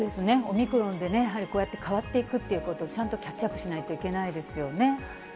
オミクロンでね、やはりこうやって変わっていくっていうことを、ちゃんとチェックしないといけないですよね。